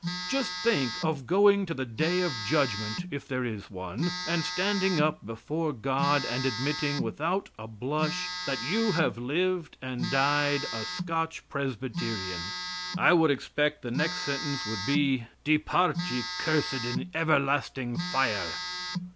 Just think of going to the day of judgment, if there is one, and standing up before God and admitting, without a blush, that you have lived and died a Scotch Presbyterian. I would expect the next sentence would be, "Depart ye cursed in everlasting fire."